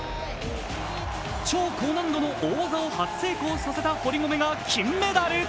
超高難度の大技を初成功させた堀米が金メダル。